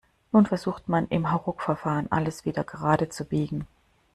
Nun versucht man im Hauruckverfahren, alles wieder gerade zu biegen.